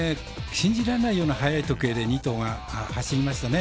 信じられないような早い時計で、２頭が走りましたね。